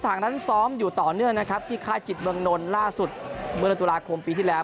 ถังนั้นซ้อมอยู่ต่อเนื่องนะครับที่ค่ายจิตเมืองนลล่าสุดเมื่อตุลาคมปีที่แล้ว